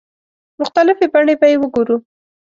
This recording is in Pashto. مختلفې بڼې به یې وګورو.